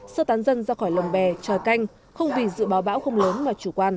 sơ tán dân ra khỏi lồng bè tròi canh không vì dự báo bão không lớn mà chủ quan